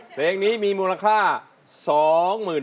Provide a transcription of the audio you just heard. เพลงนี้มีมูลค่า๒๐๐๐บาท